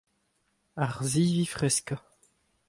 Ar sivi freskañ.